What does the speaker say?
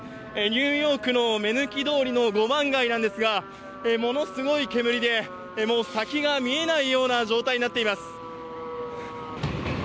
ニューヨークの目抜き通りの五番街なんですが、ものすごい煙で、もう先が見えないような状態になっています。